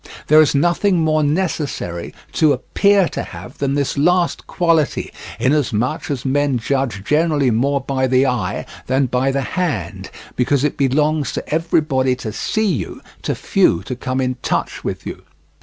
There is nothing more necessary to appear to have than this last quality, inasmuch as men judge generally more by the eye than by the hand, because it belongs to everybody to see you, to few to come in touch with you.